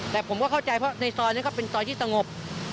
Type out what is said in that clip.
แต่ผมก็เข้าใจเพราะในซอยนั้นก็เป็นซอยที่สงบ